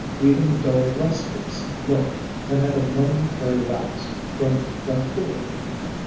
Even dull rustics looked and had a momentary lapse from vacuity.